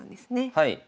はい。